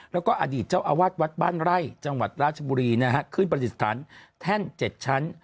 แล้วก็อดีตเจ้าอาวาสวัดบ้านไร่จังหวัดราชบุรีนะฮะขึ้นประดิษฐานแท่น๗ชั้น